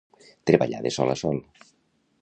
Treballar de sol a sol.